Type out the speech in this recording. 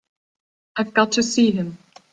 I've got to see him.